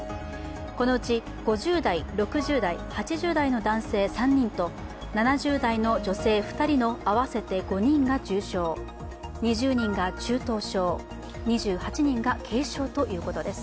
このうち５０代、６０代、８０代の男性３人と、７０代の女性２人の合わせて５人が重症、２０人が中等症、２８人が軽症ということです。